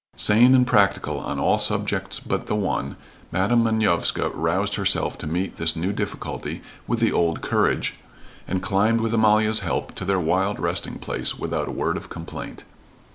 Sane and practical on all subjects but the one, Madam Manovska roused herself to meet this new difficulty with the old courage, and climbed with Amalia's help to their wild resting place without a word of complaint.